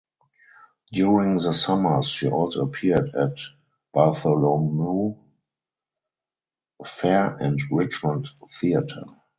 During the summers she also appeared at Bartholomew Fair and Richmond Theatre.